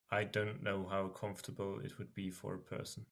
I don’t know how comfortable it would be for a person.